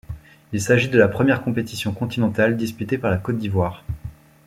Il s'agit de la première compétition continentale disputée par la Côte d'Ivoire.